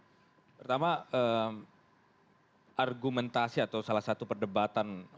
pertama argumentasi atau salah satu perdebatan